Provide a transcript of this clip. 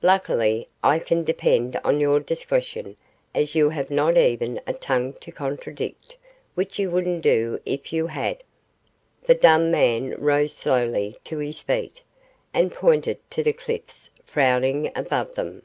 Luckily, I can depend on your discretion, as you have not even a tongue to contradict, which you wouldn't do if you had.' The dumb man rose slowly to his feet, and pointed to the cliffs frowning above them.